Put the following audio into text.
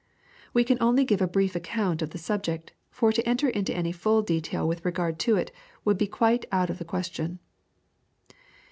We can only give a brief account of the Subject, for to enter into any full detail with regard to it would be quite out of the question.